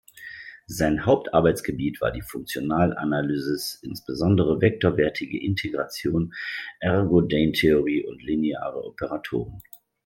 Sein Hauptarbeitsgebiet war die Funktionalanalysis, insbesondere vektorwertige Integration, Ergodentheorie und lineare Operatoren.